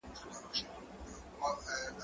زه مخکي ليکنه کړې وه!!